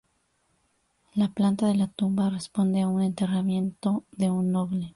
La planta de la tumba responde a un enterramiento de un noble.